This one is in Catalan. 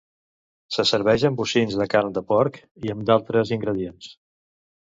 Se serveix amb bocins de carn de porc i amb d'altres ingredients.